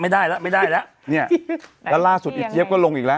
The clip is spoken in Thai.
ไม่ได้แล้วไม่ได้แล้วเนี่ยแล้วล่าสุดอีเจี๊ยบก็ลงอีกแล้ว